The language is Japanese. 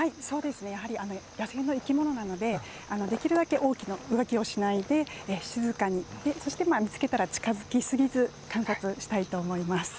やはり、野生の生き物なのでできるだけ大きな動きをしないで静かに行って見つけたら近づきすぎずに観察したいと思います。